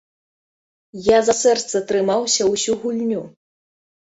Я за сэрца трымаўся ўсю гульню!